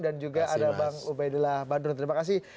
dan juga ada bang ubaidullah badrun terima kasih